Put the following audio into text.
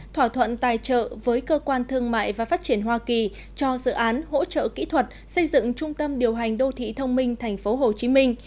thỏa thuận tài trợ với cơ quan thương mại và phát triển hoa kỳ cho dự án hỗ trợ kỹ thuật xây dựng trung tâm điều hành đô thị thông minh thành phố hồ chí minh